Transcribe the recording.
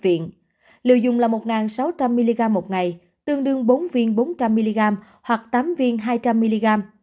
viện liều dùng là một sáu trăm linh mg một ngày tương đương bốn viên bốn trăm linh mg hoặc tám viên hai trăm linh mg